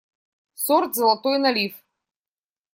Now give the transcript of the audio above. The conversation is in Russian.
Сорт «золотой налив».